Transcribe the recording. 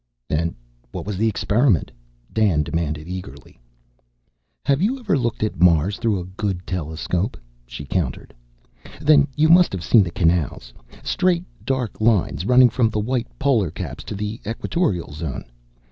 "And what was the experiment?" Dan demanded eagerly. "Have you ever looked at Mars through a good telescope?" she countered. "Then you must have seen the canals straight dark lines running from the white polar caps to the equatorial zone.